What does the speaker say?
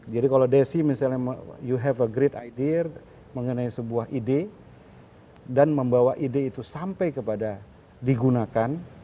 jadi kalau desi misalnya you have a great idea mengenai sebuah ide dan membawa ide itu sampai kepada digunakan